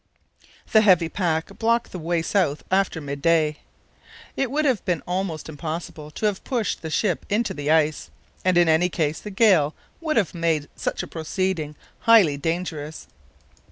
The heavy pack blocked the way south after midday. It would have been almost impossible to have pushed the ship into the ice, and in any case the gale would have made such a proceeding highly dangerous.